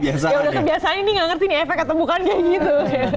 ya udah kebiasaan ini gak ngerti nih efek ketemukan kayak gitu